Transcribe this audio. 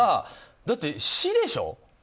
だって、市でしょ？